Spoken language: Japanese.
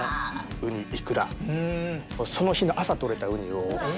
ウニイクラその日の朝取れたウニを。